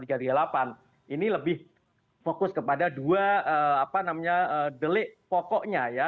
ini lebih fokus kepada dua delik pokoknya ya